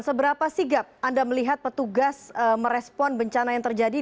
seberapa sigap anda melihat petugas merespon bencana yang terjadi